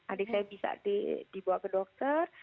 adik saya bisa dibawa ke dokter